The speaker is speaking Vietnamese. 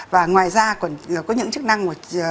và ngoài ra còn có những chức năng